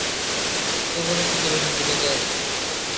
কুকুরের থেকে বেশি দূরে যে আছে।